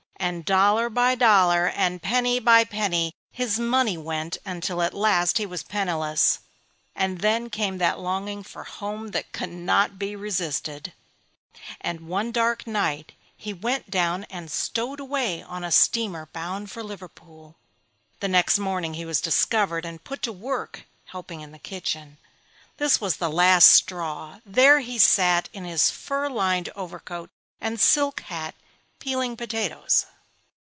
And dollar by dollar, and penny by penny his money went until at last he was penniless. And then came that longing for HOME that cannot be resisted. And one dark night he went down and stowed away on a steamer bound for Liverpool. The next morning he was discovered, and put to work helping in the kitchen. This was the last straw; there he sat, in his fur lined overcoat and silk hat, peeling potatoes.